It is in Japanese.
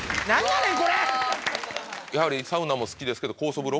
やはりサウナも好きですけど。